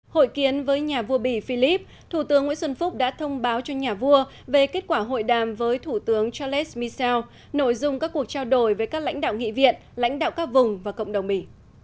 hội kiến với nhà vua bỉ philip thủ tướng nguyễn xuân phúc đã thông báo cho nhà vua về kết quả hội đàm với thủ tướng charles michel nội dung các cuộc trao đổi với các lãnh đạo nghị viện lãnh đạo các vùng và cộng đồng mỹ